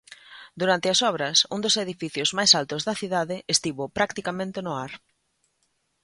Durante as obras, un dos edificios máis altos da cidade estivo practicamente no ar.